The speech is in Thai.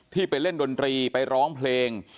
ไปเล่นดนตรีไปร้องเพลง